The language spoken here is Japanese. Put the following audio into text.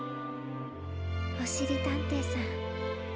おしりたんていさん。